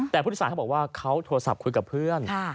แต่ผู้โดยสารเขาบอกว่าเขาโทรศัพท์คุยกับเพื่อน